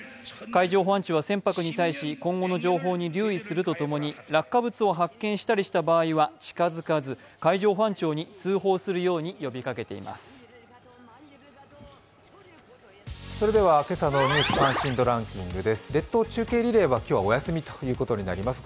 海上保安庁は船舶に対し、今後の情報に留意するとともに落下物を発見したりした場合は、近づかず、海上保安庁に通報するように呼びかけています。